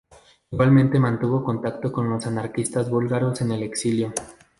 Igualmente mantuvo contacto con los anarquistas búlgaros en el exilio.